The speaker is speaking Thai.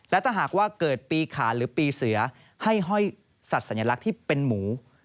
และถ้าหากว่าเกิดปีขาหรือปีเสือให้ห้อยสัตว์สัญลักษณ์ที่เป็นหมู